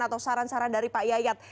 atau saran saran dari pak yayat